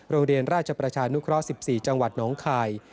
โรงเรียนราชประชานุเคราะห์๑๔จังหวัดน้องคาย